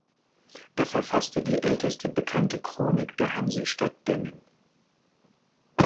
Er verfasste die älteste bekannte Chronik der Hansestadt Demmin.